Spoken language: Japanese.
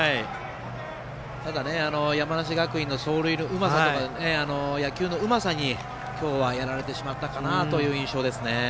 ただ山梨学院の走塁のうまさとか野球のうまさに今日はやられてしまったかな